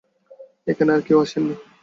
এখনো আর কেউ আসেন নি?